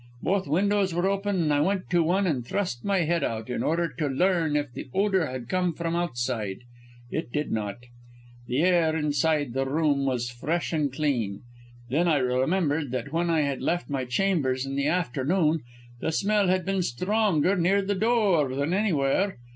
Both windows were open and I went to one and thrust my head out, in order to learn if the odour came from outside. It did not. The air outside the window was fresh and clean. Then I remembered that when I had left my chambers in the afternoon, the smell had been stronger near the door than anywhere.